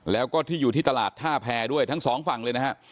แล้วก็ที่อยู่ที่ตลาดท่าแพรด้วยทั้งสองฝั่งเลยนะฮะ